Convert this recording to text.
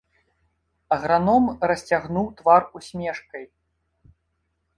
Аграном расцягнуў твар усмешкай.